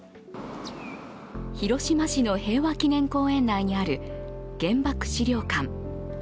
広島市の平和記念公園内にある原爆資料館。